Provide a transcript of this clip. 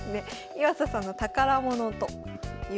岩佐さんの宝物ということです。